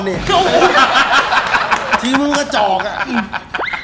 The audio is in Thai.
ชิ้นแล้วก็จอกอะ